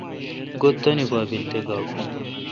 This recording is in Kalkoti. گو°تانی پا بیل تے گا کھوں۔